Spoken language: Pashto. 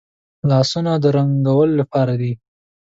لاسونه د رنګولو لپاره دي